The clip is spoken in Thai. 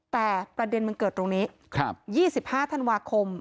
แต่ประเด็นมันเกิดตรงนี้๒๕ธันวาคม